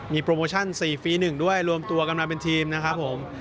มีโปรโมชั่น๔ฟี๑ด้วยรวมตัวกันมาเป็นทีมนะครับผม